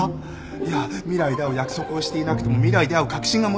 いやあ未来で会う約束をしていなくても未来で会う確信が持てる。